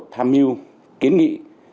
tham mưu kiến nghị